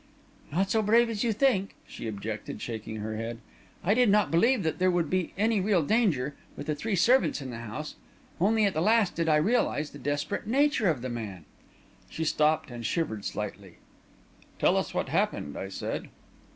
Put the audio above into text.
"Not so brave as you think," she objected, shaking her head. "I did not believe that there would be any real danger, with the three servants in the house. Only at the last did I realise the desperate nature of the man...." She stopped and shivered slightly. "Tell us what happened," I said.